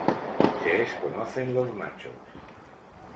Se desconocen los machos.